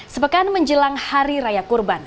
sepekan menjelang hari raya kurban